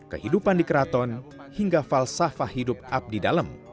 kehidupan di keraton hingga falsafah hidup abdi dalam